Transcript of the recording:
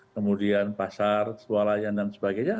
kemudian pasar sualayan dan sebagainya